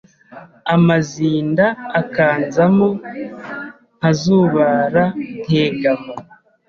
Amazinda akanzamo Nkazubara nkegama